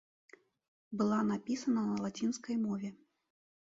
Была напісана на лацінскай мове.